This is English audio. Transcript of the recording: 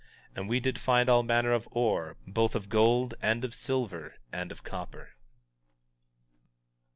And we did find all manner of ore, both of gold, and of silver, and of copper.